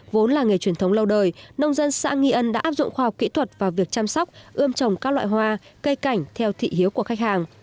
vốn là nghề truyền thống lâu đời nông dân xã nghi ân đã áp dụng khoa học kỹ thuật vào việc chăm sóc ươm trồng các loại hoa cây cảnh theo thị hiếu của khách hàng